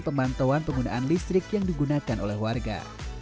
pemantauan penggunaan listrik yang digunakan oleh warga